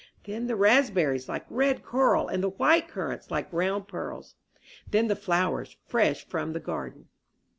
Then the raspberries, like red coral, and the white currants, like round pearls! Then the flowers, fresh from the garden!